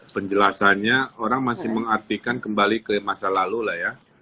penjelasannya orang masih mengartikan kembali ke masa lalu lah ya